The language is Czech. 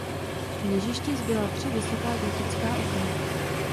V kněžišti zbyla tři vysoká gotická okna.